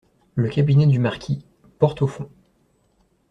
Le cabinet du marquis. — Porte au fond.